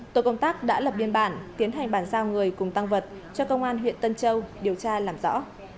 tổ công tác đã lập biên bản tiến hành bàn giao người cùng tăng vật cho công an huyện tân châu điều tra làm rõ